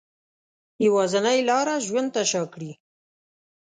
یوازینۍ لاره ژوند ته شا کړي